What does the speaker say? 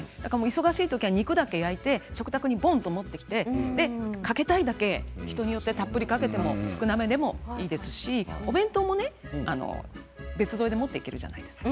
忙しい時は肉だけ食卓にぽんと持ってきてかけたいだけ人によってたっぷりかけても少なめでもいいですしお弁当も別添えで持っていけるじゃないですか。